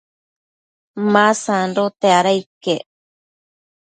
ma sandote, ada iquec